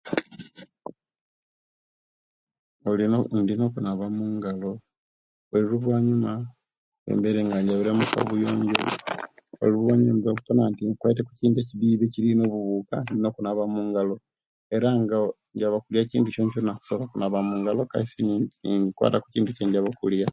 Olina ndina okunaba omungalo, oluvanyuma luembeire nga njabire obuyoonjo, oluvanyuma njizaikufuna nti nga nkwaite kukintu ekibibi ekyirimu ebuuka ndina okunaba omungalo, era nga njaba kulya ekintu kyonakyona nsooka kunaaba mungalo Kaisi ninkwata okokintu ekyenjaba okulya.